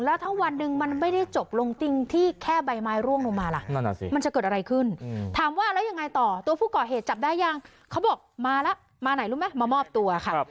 แล้วถ้าวันหนึ่งมันไม่ได้จบลงติ้งที่แค่ใบไม้รร่วมลงมาละ